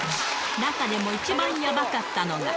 中でも一番やばかったのが。